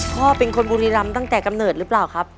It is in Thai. พ่อเป็นคนบุรีรำตั้งแต่กำเนิดหรือเปล่าครับ